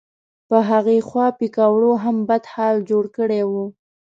په هغې خوا پیکوړو هم بد حال جوړ کړی و.